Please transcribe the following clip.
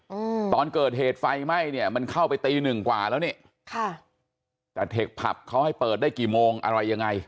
อืมตอนเกิดเหตุไฟไหม้เนี้ยมันเข้าไปตีหนึ่งกว่าแล้วนี่ค่ะแต่เทคผับเขาให้เปิดได้กี่โมงอะไรยังไง